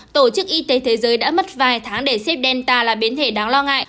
tổ chức y tế thế giới đã mất vài tháng để xếp delta là biến thể đáng lo ngại